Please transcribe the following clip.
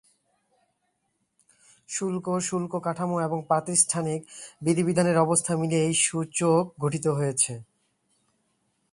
শুল্ক ও অশুল্ককাঠামো এবং প্রাতিষ্ঠানিক বিধিবিধানের অবস্থা মিলিয়ে এই উপসূচক গঠিত হয়েছে।